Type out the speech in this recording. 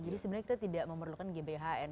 jadi sebenarnya kita tidak memerlukan gbhn